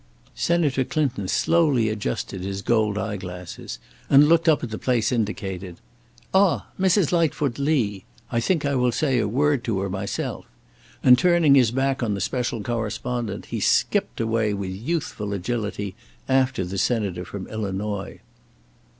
Senator Clinton slowly adjusted his gold eye glasses and looked up at the place indicated: "Ah! Mrs. Lightfoot Lee! I think I will say a word to her myself;" and turning his back on the special correspondent, he skipped away with youthful agility after the Senator from Illinois.